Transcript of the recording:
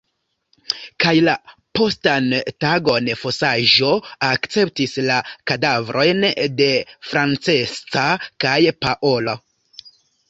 Kaj la postan tagon fosaĵo akceptis la kadavrojn de Francesca kaj Paolo.